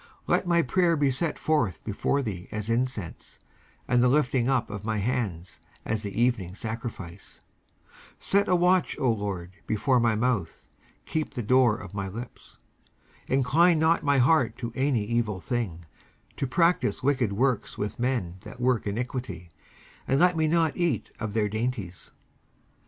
19:141:002 Let my prayer be set forth before thee as incense; and the lifting up of my hands as the evening sacrifice. 19:141:003 Set a watch, O LORD, before my mouth; keep the door of my lips. 19:141:004 Incline not my heart to any evil thing, to practise wicked works with men that work iniquity: and let me not eat of their dainties.